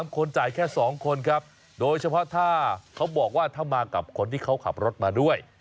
คนจ่ายแค่๒คนครับโดยเฉพาะถ้าเขาบอกว่าถ้ามากับคนที่เขาขับรถมาด้วย